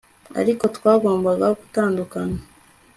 ariko twagombaga gutandukana